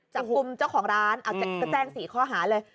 จับกลุ่มเจ้าของร้านก็แจ้ง๔ข้อหาเลย